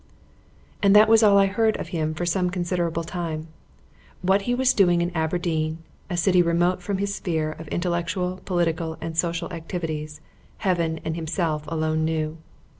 And that was all I heard of him for some considerable time. What he was doing in Aberdeen, a city remote from his sphere of intellectual, political, and social activities, Heaven and himself alone knew.